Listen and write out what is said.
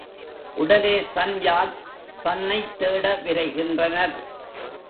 உடனே Sun Yat சன்னைத் தேட விரைகின்றனர்.